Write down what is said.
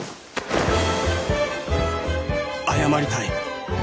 謝りたい